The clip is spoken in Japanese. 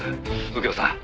右京さん」